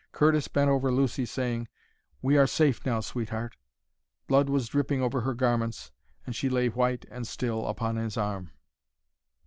Curtis bent over Lucy, saying, "We are safe now, sweetheart!" Blood was dripping over her garments, and she lay white and still upon his arm.